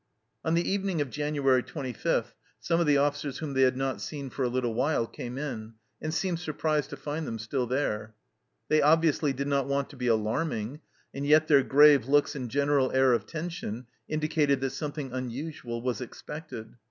On the evening of January 25 some of the officers whom they had not seen for a little while came in, and seemed surprised to find them still there. They obviously did not want to be alarming, and yet their grave looks and general air of tension indicated that something unusual was expected.